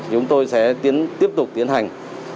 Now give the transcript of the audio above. chúng tôi sẽ tiếp tục tiến hành